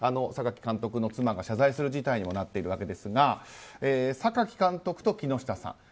榊監督の妻が謝罪する事態にもなっているわけですが榊監督と木下さん